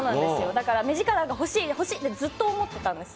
だから目力が欲しい欲しいってずっと思ってたんですよ